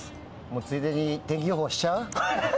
ついでに天気予報しちゃう？